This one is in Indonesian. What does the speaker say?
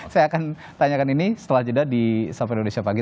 saya akan tanyakan ini setelah jeda di sapa indonesia pagi